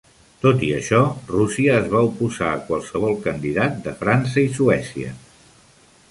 Tot i això, Rússia es va oposar a qualsevol candidat de França i Suècia.